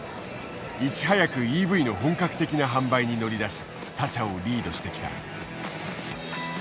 いち早くＥＶの本格的な販売に乗り出し他社をリードしてきた。